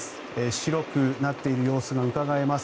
白くなっている様子がうかがえます。